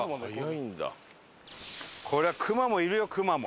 これは熊もいるよ熊も。